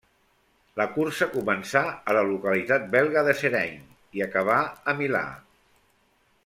La cursa començà a la localitat belga de Seraing i acabà a Milà.